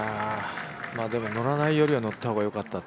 でものらないよりはのった方が良かったって。